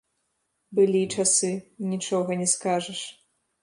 Былі часы, нічога не скажаш.